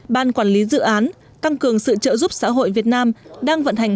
ban quản lý dự án tăng cường sự trợ giúp xã hội việt nam đang vận hành